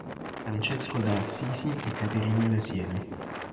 Francesco da Assisi e Caterina da Siena".